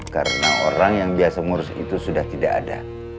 karena orang yang biasa mengurus itu sudah tidak ada